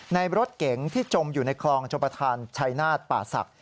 ในรถเก๋งที่จมอยู่ในคลองชมประธานชัยนาฏป่าศักดิ